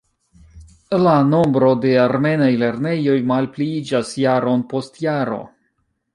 La nombro de armenaj lernejoj malpliiĝas jaron post jaro.